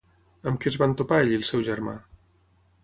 Amb què es van topar ell i el seu germà?